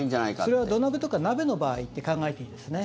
それは土鍋とか鍋の場合って考えていいですね。